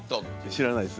知らないです。